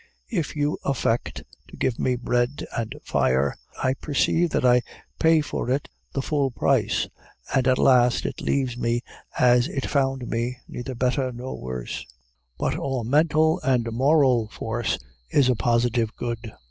If you affect to give me bread and fire, I perceive that I pay for it the full price, and at last it leaves me as it found me, neither better nor worse; but all mental and moral force is a positive good.